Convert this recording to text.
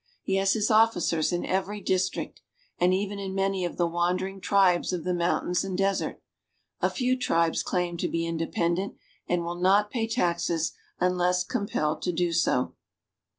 He has his officers in every district, and even in many of the wandering tribes of the moun tains and desert. A few tribes claim to be independent, and will not pay taxes unless compelled to do so.